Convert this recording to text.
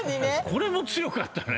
これも強かったね。